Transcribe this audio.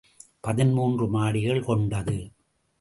பதின்மூன்று மாடிகள் கொண்டது.